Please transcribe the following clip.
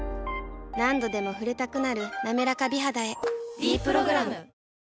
何度でも触れたくなる「なめらか美肌」へ「ｄプログラム」